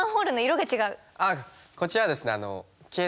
こちらはですね